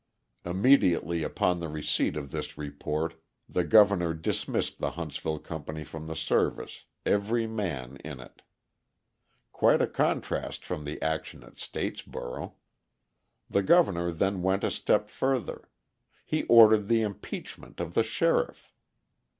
Immediately, upon the receipt of this report, the Governor dismissed the Huntsville company from the service, every man in it. Quite a contrast from the action at Statesboro! The Governor then went a step further: he ordered the impeachment of the sheriff.